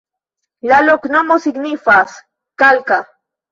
La loknomo signifas: kalka.